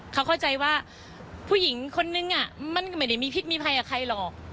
เขาเข้าใจว่าผู้หญิงคนนึงมันก็ไม่ได้มีพิษมีภัยกับใครหรอก